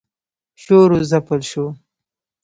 شور و ځپل شو.